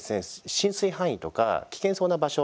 浸水範囲とか危険そうな場所